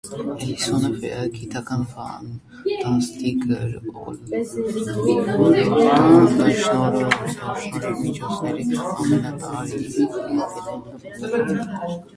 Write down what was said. Էլիսոնը գիտական ֆանտաստիկայի ոլորտում շնորհվող մրցանակների ամենատիտղոսակիր դափնեկիրներից է։